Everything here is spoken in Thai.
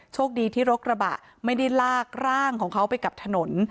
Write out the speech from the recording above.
โชคดีที่รถกระบะไม่ได้ลากร่างของเขาไปกับถนน